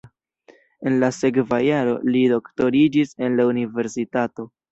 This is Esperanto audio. En la sekva jaro li doktoriĝis en la universitato.